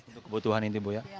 untuk kebutuhan ini bu ya